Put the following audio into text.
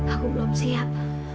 aku belum siap